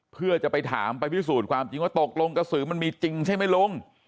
เพื่อจะไปถามไปพิสูจน์ความจริงว่าตกลงกระสือมันมีจริงใช่ไหมลุง